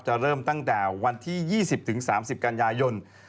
เริ่มตั้งแต่วันที่๒๐๓๐กันยายน